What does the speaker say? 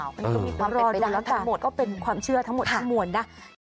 มันมีความเป็นไปได้ทั้งหมดก็เป็นความเชื่อทั้งหมดทั้งหมวนนะ